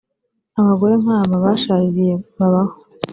Abagore nk’aba bashaririye babaho